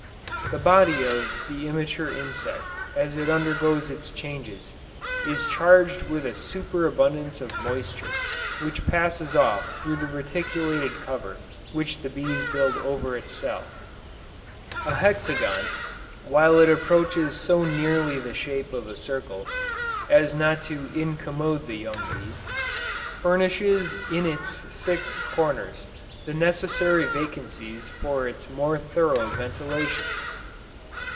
The body of the immature insect as it undergoes its changes, is charged with a super abundance of moisture which passes off through the reticulated cover which the bees build over its cell: a hexagon while it approaches so nearly the shape of a circle as not to incommode the young bee, furnishes in its six corners the necessary vacancies for its more thorough ventilation!